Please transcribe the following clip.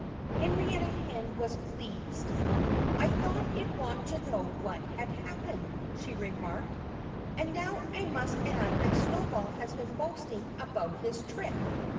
Henrietta Hen was pleased. "I thought you'd want to know what had happened," she remarked. "And now I must add that Snowball has been boasting about his trip.